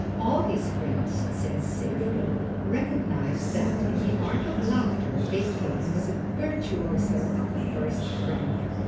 "All his friends," says Seyfried, "recognized that in the art of laughter, Beethoven was a virtuoso of the first rank."